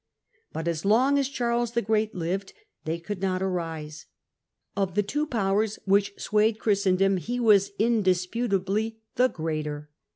But as long as Charles the Great lived they could not arise. Of the two powers which swayed Christen bat could ^^°^^®^^ indisputably the greater.